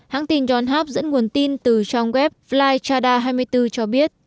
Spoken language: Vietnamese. hãng tin yonhap dẫn nguồn tin từ trong web flychada hai mươi bốn cho biết